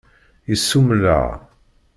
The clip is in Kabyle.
Yessummel-aɣ.